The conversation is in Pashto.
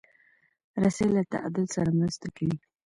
رسۍ له تعادل سره مرسته کوي.